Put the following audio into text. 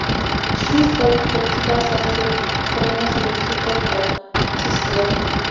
She studied political science at Comenius University in Bratislava.